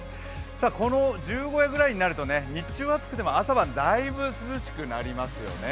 この十五夜ぐらいになると日中は暑くても朝はだいぶ涼しくなりますよね。